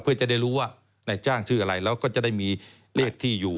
เพื่อจะได้รู้ว่านายจ้างชื่ออะไรแล้วก็จะได้มีเลขที่อยู่